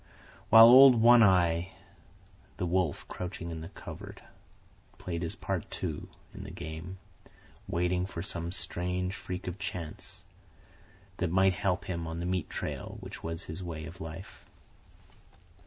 While old One Eye, the wolf crouching in the covert, played his part, too, in the game, waiting for some strange freak of Chance, that might help him on the meat trail which was his way of life.